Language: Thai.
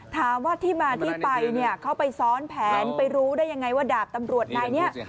ถามว่าที่มาที่ไปเนี่ยเขาไปซ้อนแผนไปรู้ได้ยังไงว่าดาบตำรวจนายนี้